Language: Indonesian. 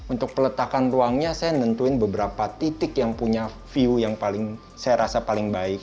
untuk peletakan ruangnya saya nentuin beberapa titik yang punya view yang paling saya rasa paling baik